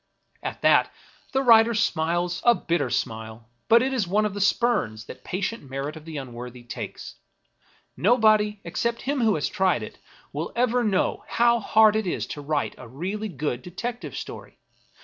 At that, the weary writer smiles a bitter smile ; but it is one of the spurns that patient merit of the unworthy takes. Nobody, except him who has tried it, will ever know how hard it is to write a really good detective story.